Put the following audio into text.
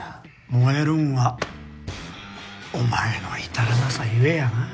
燃えるんはお前の至らなさ故やなあ。